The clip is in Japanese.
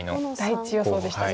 第１予想でしたね。